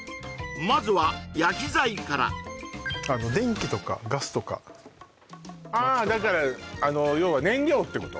まずは焼き材から電気とかガスとか薪とかあだから要は燃料ってこと？